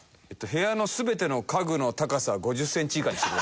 部屋の全ての家具の高さを５０センチ以下にする。